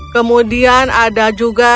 kemudian ada juga